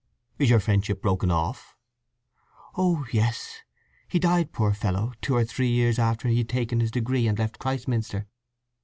"Is your friendship broken off?" "Oh yes. He died, poor fellow, two or three years after he had taken his degree and left Christminster."